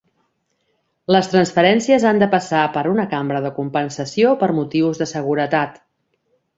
Les transferències han de passar per una cambra de compensació per motius de seguretat.